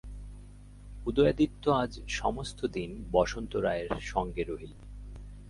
উদয়াদিত্য আজ সমস্ত দিন বসন্ত রায়ের সঙ্গে রহিলেন।